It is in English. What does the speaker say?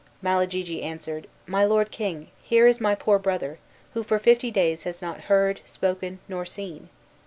Malagigi answered, "My lord king, here is my poor brother, who for fifty days has not heard, spoken, nor seen.